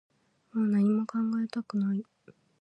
もう何も考えたくない